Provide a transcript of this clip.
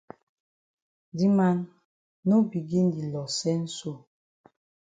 Di man, no begin di loss sense so.